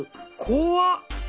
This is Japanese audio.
怖っ！